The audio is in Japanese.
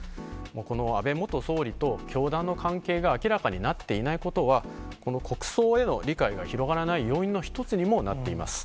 この安倍元総理と教団の関係が明らかになっていないことは、国葬への理解が広がらない要因の一つにもなっています。